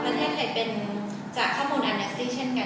ภาครัฐไทยจากข้อมูลนันที้เช่นกัน